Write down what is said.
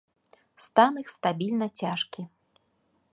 Стан іх стабільна цяжкі.